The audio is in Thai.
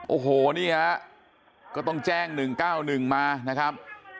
โอ้โหนี่ฮะก็ต้องแจ้ง๑๙๑มานะครับ